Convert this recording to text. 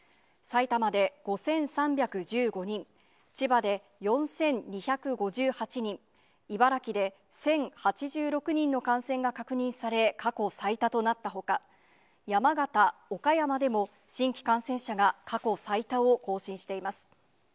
埼玉で５３１５人、千葉で４２５８人、茨城で１０８６人の感染が確認され、過去最多となったほか、山形、岡山でも新規感染者が過去最多を更新しています。